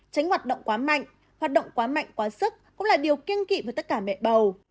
tránh hoạt động quá mạnh hoạt động quá mạnh quá sức cũng là điều kiên kỵ với tất cả mẹ bầu